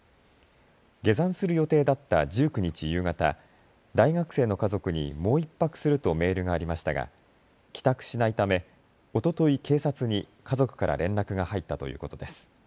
下山する予定だった１９日夕方、大学生の家族にもう１泊するとメールがありましたが帰宅しないため、おととい警察に家族から連絡が入ったということです。